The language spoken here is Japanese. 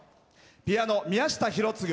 ピアノ、宮下博次。